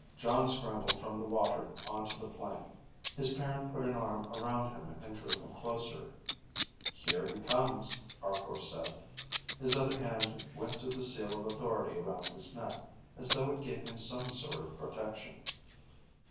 Jon scrambled from the water onto the plank. His parent put an arm around him and drew him closer. (Here he comes, Arkor said.) His other hand went to the seal of authority around his neck, as though it gave him some sort of protection.